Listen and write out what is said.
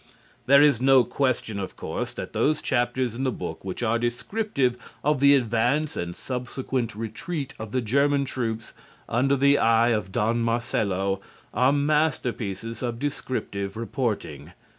There is no question, of course, that those chapters in the book which are descriptive of the advance and subsequent retreat of the German troops under the eye of Don Marcelo are masterpieces of descriptive reporting.